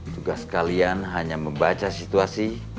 tugas kalian hanya membaca situasi